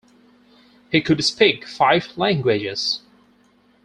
He could speak five languages.